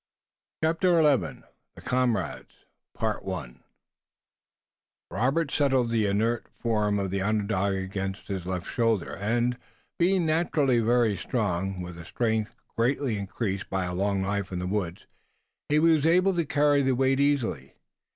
CHAPTER XI THE COMRADES Robert settled the inert form of the Onondaga against his left shoulder, and, being naturally very strong, with a strength greatly increased by a long life in the woods, he was able to carry the weight easily.